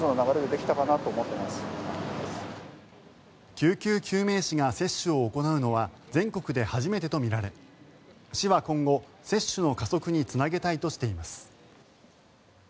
救急救命士が接種を行うのは全国で初めてとみられ市は今後、接種の加速につなげたいとしています。